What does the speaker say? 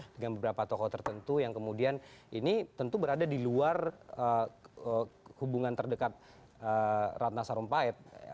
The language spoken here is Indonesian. dengan beberapa tokoh tertentu yang kemudian ini tentu berada di luar hubungan terdekat ratna sarumpait